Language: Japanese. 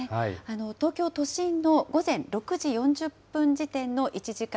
東京都心の午前６時４０分時点の１時間